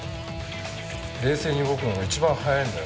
冷静に動くのが一番早いんだよ。